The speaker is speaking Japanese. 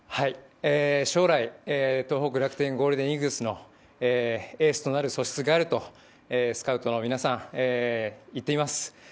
将来、東北楽天ゴールデンイーグルスのエースとなる素質があるとスカウトの皆さんが言っています。